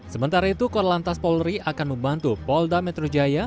sementara itu korlantas polri akan membantu polda metro jaya